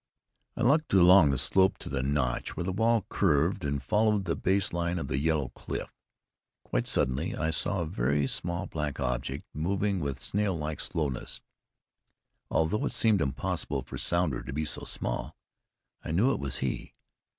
I looked along the slope to the notch where the wall curved and followed the base line of the yellow cliff. Quite suddenly I saw a very small black object moving with snail like slowness. Although it seemed impossible for Sounder to be so small, I knew it was he.